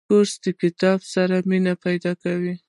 کورس د کتاب سره مینه پیدا کوي.